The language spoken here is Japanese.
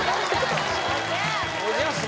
おじゃす！